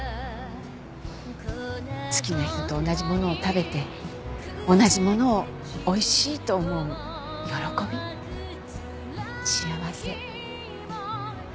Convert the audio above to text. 好きな人と同じものを食べて同じものをおいしいと思う喜び幸せ。